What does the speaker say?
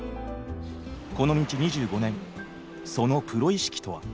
この道２５年そのプロ意識とは？